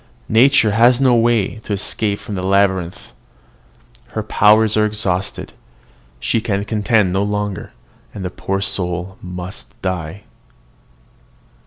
Nature has no way to escape from the labyrinth: her powers are exhausted: she can contend no longer, and the poor soul must die.